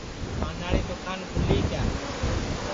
پاناڑی دؔوکان کھولی کیا